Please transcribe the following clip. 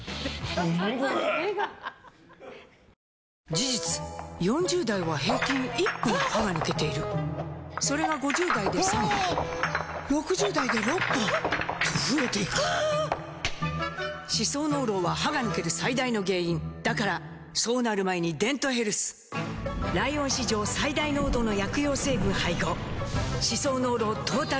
事実４０代は平均１本歯が抜けているそれが５０代で３本６０代で６本と増えていく歯槽膿漏は歯が抜ける最大の原因だからそうなる前に「デントヘルス」ライオン史上最大濃度の薬用成分配合歯槽膿漏トータルケア！